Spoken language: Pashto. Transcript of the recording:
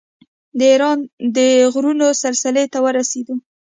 د ایران د غرونو سلسلې ته ورسېدو.